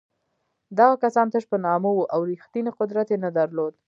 دغه کسان تش په نامه وو او رښتینی قدرت یې نه درلود.